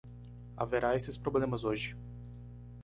Haverá esses problemas hoje.